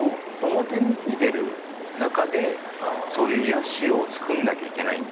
表に出る中でそういう癒やしをつくんなきゃいけないんだな。